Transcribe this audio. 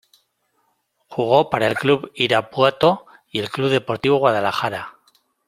Jugó para el Club Irapuato y el Club Deportivo Guadalajara.